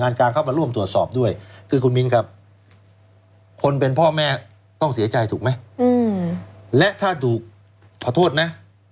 และถ้าดูขอโทษนะ